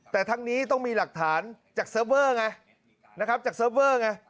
แต่ทั้งนี้ต้องมีหลักฐานจากเซิร์ฟเวอร์ไง